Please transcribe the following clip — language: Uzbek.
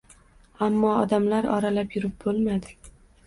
ammo odamlar oralab yurib bo‘lmadi.